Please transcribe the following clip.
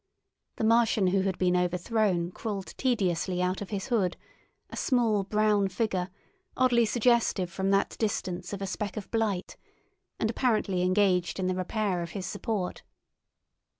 The Martian who had been overthrown crawled tediously out of his hood, a small brown figure, oddly suggestive from that distance of a speck of blight, and apparently engaged in the repair of his support.